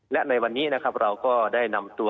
และในวันนี้นะครับเราก็ได้นำตัว